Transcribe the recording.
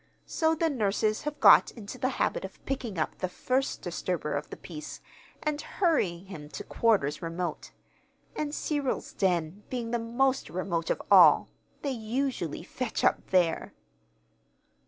So the nurses have got into the habit of picking up the first disturber of the peace, and hurrying him to quarters remote; and Cyril's den being the most remote of all, they usually fetch up there."